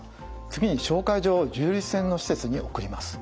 次に紹介状を重粒子線の施設に送ります。